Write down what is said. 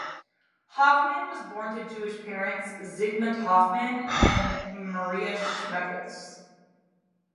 Hoffman was born to Jewish parents Zygmunt Hoffman and Maria Schmelkes.